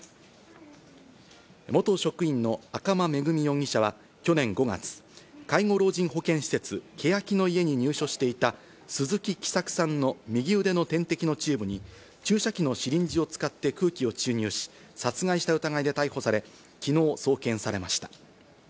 元職員の赤間恵美容疑者は去年５月、介護老人保健施設・けやきの舎に入所していた鈴木喜作さんの右腕の点滴のチューブに注射器のシリンジを使って空気を注入し、殺害した疑いで逮捕され、昨日送検されました。